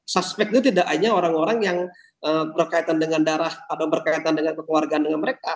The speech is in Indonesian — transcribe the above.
suspek itu tidak hanya orang orang yang berkaitan dengan darah atau berkaitan dengan kekeluargaan dengan mereka